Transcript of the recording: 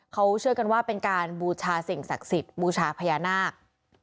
เขาเชื่อกันว่าเป็นการบูชาสิ่งศักดิ์สิทธิ์บูชาพญานาค